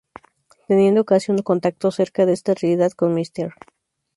Teniendo casi un contacto cerca de esta realidad con Mr.